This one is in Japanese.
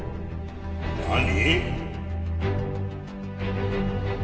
「何！？」